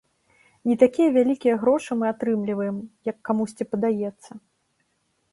Не такія вялікія грошы мы атрымліваем, як камусьці падаецца.